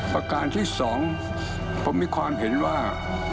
ประการที่๒ผมมีความเห็นว่า